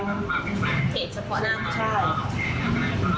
เขตเฉพาะนะครับใช่